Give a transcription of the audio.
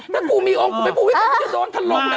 ถ้ากูมีองค์กูไปพูดวิสัยกูจะโดนทะลมละ